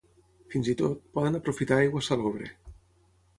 Fins i tot, poden aprofitar aigua salobre.